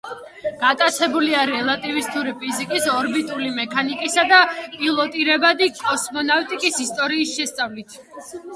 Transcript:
გატაცებულია რელატივისტური ფიზიკის, ორბიტული მექანიკისა და პილოტირებადი კოსმონავტიკის ისტორიის შესწავლით.